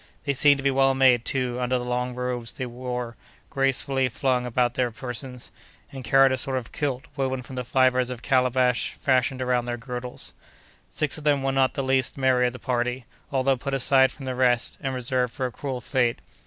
They seemed to be well made, too, under the long robes that they wore gracefully flung about their persons, and carried a sort of "kilt" woven from the fibres of calabash fastened around their girdles. Six of them were not the least merry of the party, although put aside from the rest, and reserved for a cruel fate.